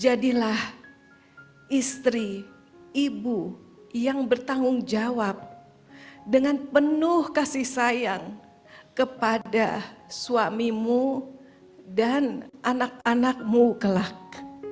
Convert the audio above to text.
jadilah istri ibu yang bertanggung jawab dengan penuh kasih sayang kepada suamimu dan anak anakmu kelak